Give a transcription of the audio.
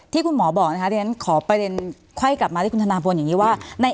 ที่คุณหมอบอกนะคะเรียนขอประเด็นไข้กลับมาที่คุณธนาพลอย่างนี้ว่า